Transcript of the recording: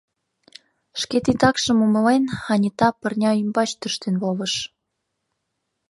Шке титакшым умылен, Анита пырня ӱмбач тӧрштен волыш.